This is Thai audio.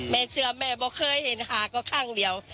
แม่เชื่อแม่บอกเคยเห็นหาก็ข้างเดียว